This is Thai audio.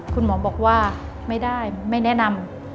คุณหมอบอกว่าไม่ได้ไม่แนะนำ